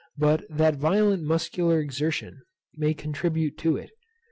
but that violent muscular exertion may contribute to it.